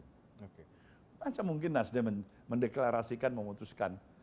masa mungkin nasdem mendeklarasikan memutuskan